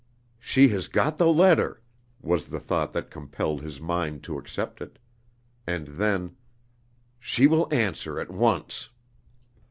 "She has got the letter!" was the thought that compelled his mind to accept it. And then "She will answer at once."